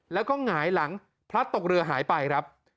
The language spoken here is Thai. แล้วก็หงายหลังพลัดตกเรือหายไปครับ